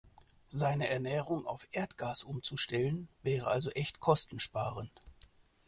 Seine Ernährung auf Erdgas umzustellen, wäre also echt kostensparend.